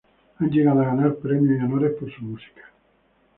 Han llegado a ganar premios y honores por su música.